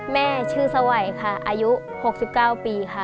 แม่ชื่อสวัสดีค่ะอายุ๖๙ปี